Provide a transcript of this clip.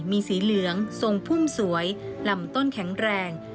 มีสีเหลืองทรงพุ่มสวยลำต้นแข็งแรง